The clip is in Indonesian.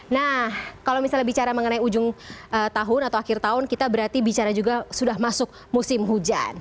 nah kalau misalnya bicara mengenai ujung tahun atau akhir tahun kita berarti bicara juga sudah masuk musim hujan